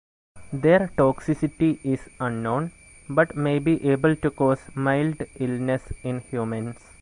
Their toxicity is unknown, but may be able to cause mild illness in humans.